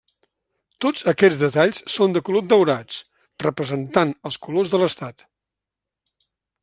Tots aquests detalls són de color daurat, representant els colors de l'estat.